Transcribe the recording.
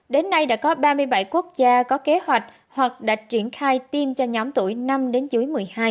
đến nay đã có ba mươi bảy quốc gia có kế hoạch hoặc đã triển khai tiêm cho nhóm tuổi năm đến dưới một mươi hai